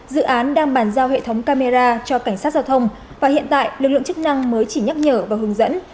dự án đang bàn giao hệ thống camera cho cảnh sát giao thông và hiện tại lực lượng chức năng mới chỉ nhắc nhở và hướng dẫn